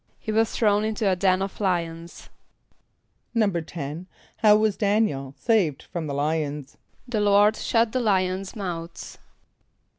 =He was thrown into a den of lions.= =10.= How was D[)a]n´iel saved from the lions? =The Lord shut the lions' mouths.